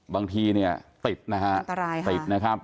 บางทีเนี่ยติดนะฮะติดนะครับ